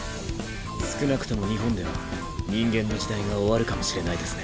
少なくとも日本では人間の時代が終わるかもしれないですね。